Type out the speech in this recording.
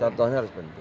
contohnya harus penting